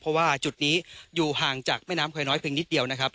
เพราะว่าจุดนี้อยู่ห่างจากแม่น้ำเคยน้อยเพียงนิดเดียวนะครับ